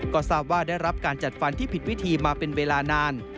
ก็ทราบว่าได้รับการจัดฟันที่ผิดวิธีมาเป็นเวลานาน